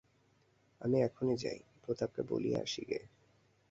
আমি এখনই যাই, প্রতাপকে বলিয়া আসি গে।